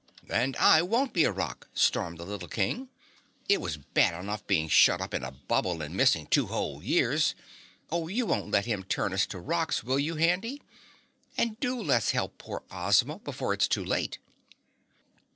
"And I won't be a rock!" stormed the little King. "It was bad enough being shut up in a bubble and missing two whole years oh, you won't let him turn us to rocks, will you, Handy? And do let's help poor Ozma, before it's too late!"